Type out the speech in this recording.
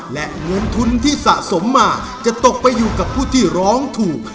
และเงินทุนที่สะสมมาจะตกไปอยู่กับผู้ที่ร้องถูก